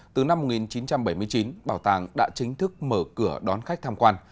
từ năm một nghìn chín trăm bảy mươi chín bảo tàng đã chính thức mở cửa đón khách tham quan